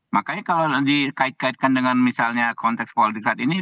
makanya kalau dikait kaitkan dengan misalnya konteks politik saat ini